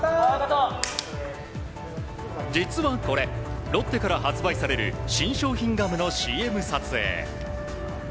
実はこれロッテから発売される新商品ガムのＣＭ撮影。